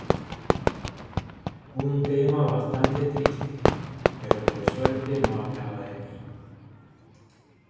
Un tema bastante triste, pero que por suerte no hablaba de mí.